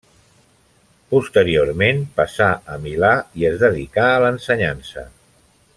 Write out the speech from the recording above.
Posteriorment passà a Milà, i es dedicà a l'ensenyança.